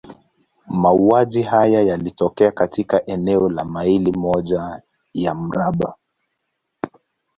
Mauaji haya yalitokea katika eneo la maili moja ya mraba.